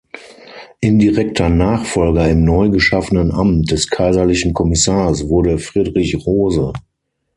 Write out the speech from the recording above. Indirekter Nachfolger im neu geschaffenen Amt des Kaiserlichen Kommissars wurde Friedrich Rose.